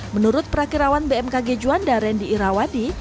menurut perakirawan bmkg juanda randy irawadi